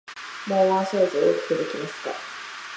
もうワンサイズ大きくできますか？